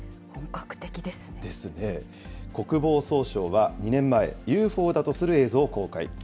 ですね、国防総省は２年前、ＵＦＯだとする映像を公開。